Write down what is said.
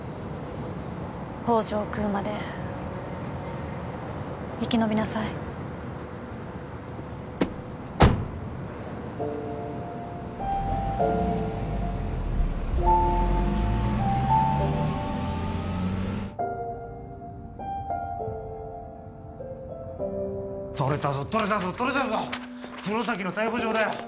宝条を喰うまで生き延びなさいとれたぞとれたぞとれたぞ黒崎の逮捕状だよ